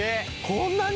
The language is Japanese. こんなに！？